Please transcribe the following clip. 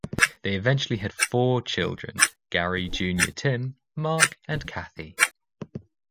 They eventually had four children, Gary Junior Tim, Mark and Kathy.